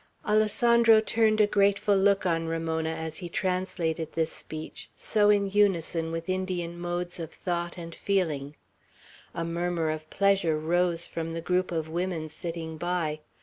Alessandro turned a grateful look on Ramona as he translated this speech, so in unison with Indian modes of thought and feeling. A murmur of pleasure rose from the group of women sitting by.